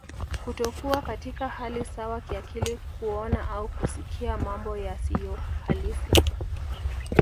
Kutokuwa katika hali sawa kiakili kuona au kusikia mambo yasiyohalisi